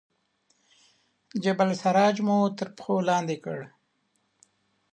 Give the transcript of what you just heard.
جبل السراج مو تر پښو لاندې کړ.